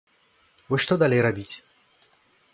Вось што далей рабіць!